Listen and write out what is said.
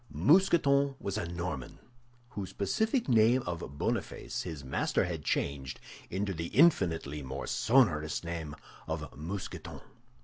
Mousqueton was a Norman, whose pacific name of Boniface his master had changed into the infinitely more sonorous name of Mousqueton.